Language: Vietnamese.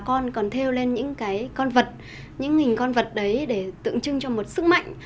con còn theo lên những cái con vật những hình con vật đấy để tượng trưng cho một sức mạnh